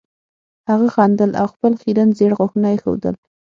هغه خندل او خپل خیرن زیړ غاښونه یې ښودل